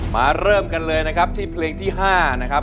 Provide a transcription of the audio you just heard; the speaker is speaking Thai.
เริ่มกันเลยนะครับที่เพลงที่๕นะครับ